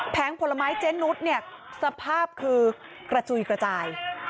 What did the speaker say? ผลไม้เจนุสเนี่ยสภาพคือกระจุยกระจาย